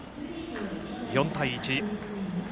４対１。